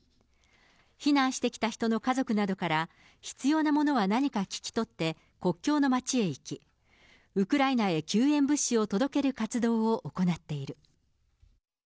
避難してきた人の家族などから、必要なものは何か聞き取って、国境の街へ行き、ウクライナへ救援物資を届ける活動を行っている。